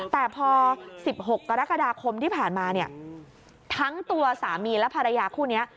แต่พอ๑๖กรกฎาคมที่ผ่านมาเนี่ยทั้งตัวสามีและภรรยาคู่นี้